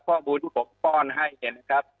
ข้อมูลที่ผมป้อนให้เนี่ยนะครับ